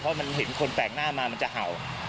เพราะมันเห็นคนแปลกหน้ามามันจะเห่า